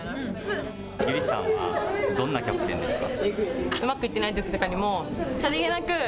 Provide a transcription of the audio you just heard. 友理さんはどんなキャプテンですか？